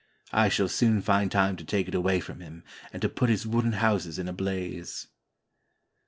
I shall soon find time to take it away from him and to put his wooden houses in a blaze."